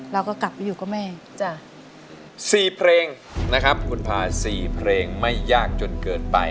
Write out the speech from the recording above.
เราก็กลับไปอยู่กับแม่สี่เพลงคุณพาสี่เพลงไม่ยากจนเกินไป